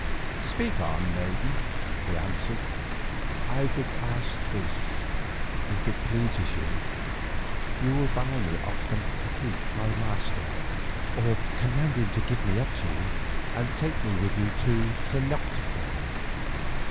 "Speak on, maiden," he answered. "I would ask this, that if it pleases you, you will buy me of the cacique my master, or command him to give me up to you, and take me with you to Tenoctitlan."